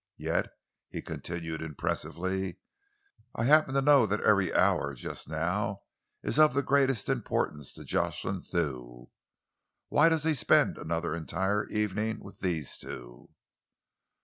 Yet," he continued impressively, "I happen to know that every hour just now is of the greatest importance to Jocelyn Thew. Why does he spend another entire evening with these two?"